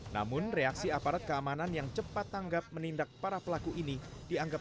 namun reaksi aparat keamanan yang terjadi di kota ini tidak hanya bergantung kepada keamanan juga bergantung kepada keamanan